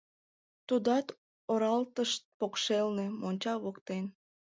Тудат оралтышт покшелне, монча воктен.